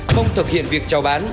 không thực hiện việc chào bán